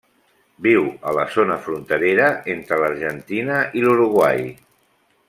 Viu a la zona fronterera entre l'Argentina i l'Uruguai.